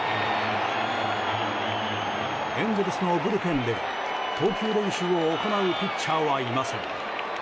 エンゼルスのブルペンでは投球練習を行うピッチャーはいません。